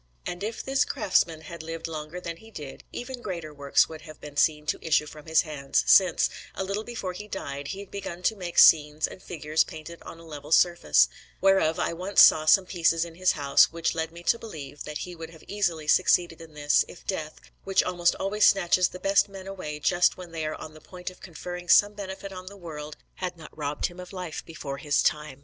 And if this craftsman had lived longer than he did, even greater works would have been seen to issue from his hands, since, a little before he died, he had begun to make scenes and figures painted on a level surface, whereof I once saw some pieces in his house, which lead me to believe that he would have easily succeeded in this, if death, which almost always snatches the best men away just when they are on the point of conferring some benefit on the world, had not robbed him of life before his time.